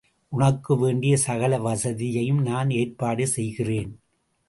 உனக்கு வேண்டிய சகல வசதியையும் நான் ஏற்பாடு செய்கிறேன்.